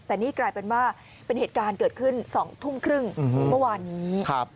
แต่นี่กลายเป็นว่าเป็นเหตุการณ์เกิดขึ้น๒ทุ่มครึ่งเมื่อวานนี้